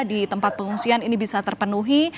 di tempat pengungsian ini bisa terpenuhi